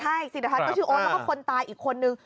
ใช่ศิรพัฒน์ก็ชื่อโอ๊ตแล้วก็คนตายอีกคนนึง